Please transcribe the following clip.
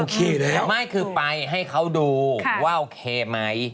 โอเคเลยเหรอไม่คือไปให้เขาดูว่าโอเคไหม